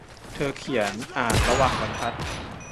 เธอเขียนอ่านระหว่างบรรทัด !